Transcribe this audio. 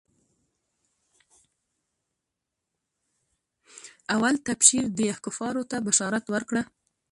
اول تبشير ديه کفارو ته بشارت ورکړه.